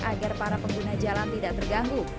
agar para pengguna jalan tidak terganggu